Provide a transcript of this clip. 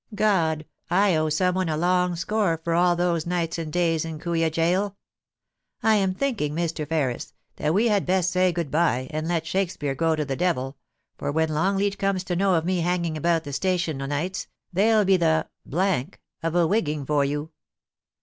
God ! I owe some one a long score for all those nights and days in Kooya Gaol I am thinking, Mr. Ferris, that we had best say good bye, and let Shakespeare go to the devil, for when Longleat comes to know of me hanging about the station o' nights, there'll be the of a wigging for you.'